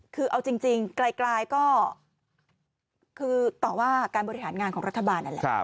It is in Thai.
คือเอาจริงไกลก็คือต่อว่าการบริหารงานของรัฐบาลนั่นแหละ